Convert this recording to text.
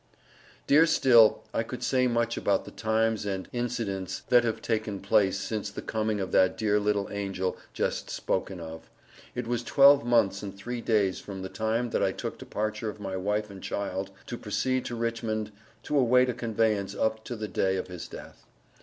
Dear Still I could say much about the times and insidince that have taken place since the coming of that dear little angle jest spoken of. it was 12 months and 3 days from the time that I took departure of my wife and child to proceed to Richmond to awaite a conveyance up to the day of his death.